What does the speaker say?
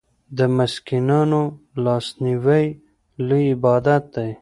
د مسکینانو لاسنیوی لوی عبادت دی.